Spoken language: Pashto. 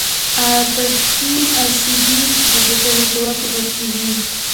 پښین او سیبی د برټانیې په واک کې پاتیږي.